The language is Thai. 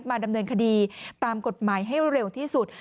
ดำเนินคดีตามกฎหมายให้เร็วที่สุด